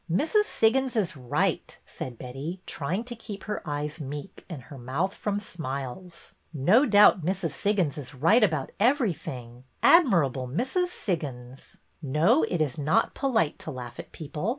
" Mrs. Siggins is right," said Betty, trying to keep her eyes meek and her mouth from smiles. " No doubt Mrs. Siggins is right abput every thing. Admirable Mrs. Siggins! No, it is not polite to laugh at people.